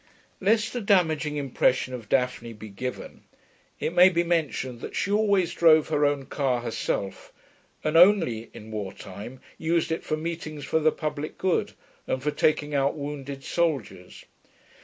(Lest a damaging impression of Daphne be given, it may be mentioned that she always drove her own car herself, and only, in war time, used it for meetings for the public good and for taking out wounded soldiers.)